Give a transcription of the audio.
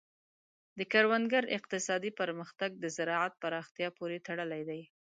د کروندګر اقتصادي پرمختګ د زراعت پراختیا پورې تړلی دی.